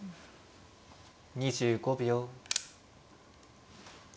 ２５秒。